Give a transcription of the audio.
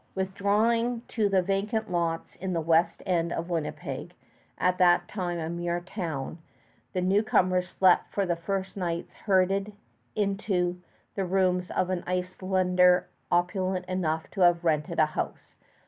Withdrawing to the vacant lots in the west end of Winnipeg, at that time a mere town, the newcomers slept for the first nights, herded in the rooms of an Icelander opulent enough to have rented a house.